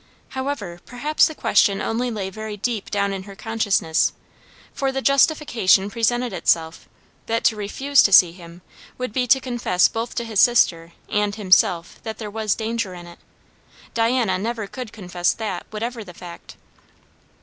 However, perhaps the question only lay very deep down in her consciousness, for the justification presented itself, that to refuse to see him, would be to confess both to his sister and himself that there was danger in it. Diana never could confess that, whatever the fact.